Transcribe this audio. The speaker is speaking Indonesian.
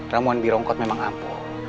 ramuan birongkot memang ampuh